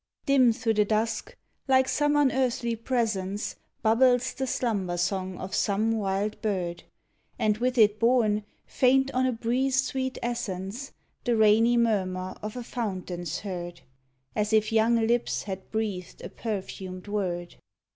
Dim through the dusk, like some unearthly presence, Bubbles the Slumber song of some wild bird; And with it borne, faint on a breeze sweet essence, The rainy murmur of a fountain's heard As if young lips had breathed a perfumed word.